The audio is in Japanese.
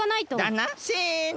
だな！せの！